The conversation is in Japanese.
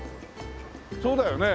そうだよね？